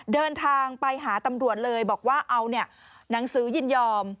เดินทางไปหาตำรวจเลยบอกว่าเอาเนี่ยหนังสือยินยอม